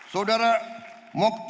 saudara moktar niode